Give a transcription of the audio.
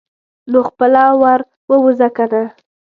نو خپله ور ووځه کنه.